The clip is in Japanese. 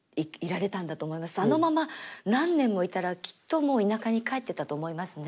あのまま何年もいたらきっともう田舎に帰ってたと思いますね。